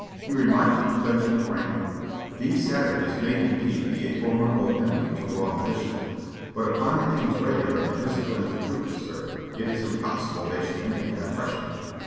He remarked to Benjamin Franklin, "These savages may indeed be a formidable enemy to raw militia, but upon the king's regular and disciplined troops, sir, it is impossible they should make an impression."